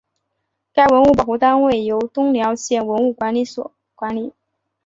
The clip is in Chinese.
该文物保护单位由东辽县文物管理所管理。